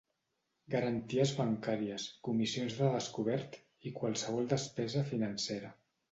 Garanties bancàries, comissions de descobert i qualsevol despesa financera.